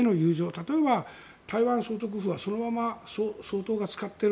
例えば台湾総督府はそのまま総統が使っている。